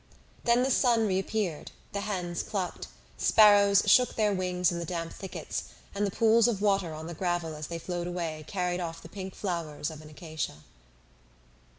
Then the sun reappeared, the hens clucked, sparrows shook their wings in the damp thickets, and the pools of water on the gravel as they flowed away carried off the pink flowers of an acacia.